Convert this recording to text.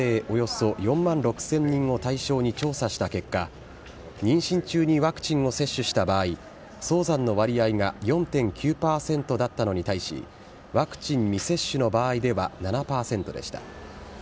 およそ４万６０００人を対象に調査した結果、妊娠中にワクチンを接種した場合、早産の割合が４．９％だったのに対し、ワクチン未接種の場合では７％でした。